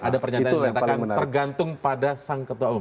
ada pernyataan yang mengatakan tergantung pada sang ketua umum